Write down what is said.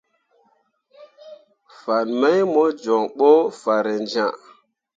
Fan mai mo jon ɓo farenjẽa.